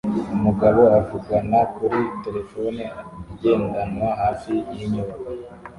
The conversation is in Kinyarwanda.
Umugabo uvugana kuri terefone igendanwa hafi yinyubako